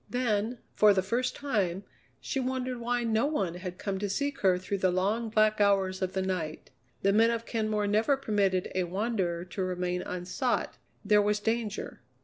Then, for the first time, she wondered why no one had come to seek her through the long, black hours of the night. The men of Kenmore never permitted a wanderer to remain unsought; there was danger.